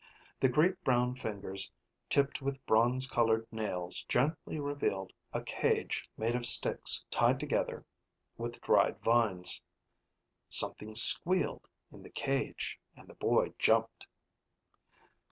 The great brown fingers tipped with bronze colored nails gently revealed a cage made of sticks tied together with dried vines. Something squeaked in the cage, and the boy jumped.